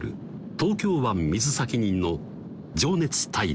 東京湾水先人の「情熱大陸」